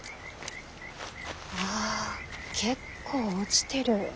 ああ結構落ちてる。